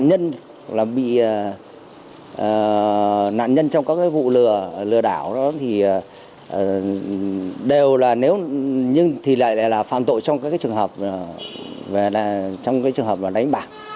nạn nhân trong các vụ lừa đảo đó thì đều là phạm tội trong trường hợp đánh bạc